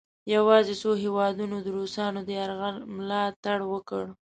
یواځې څو هیوادونو د روسانو د یرغل ملا تړ وکړ.